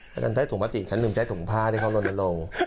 แล้วฉันได้ถุงประติกฉันลืมใช้ถุงผ้าที่เขาลนลง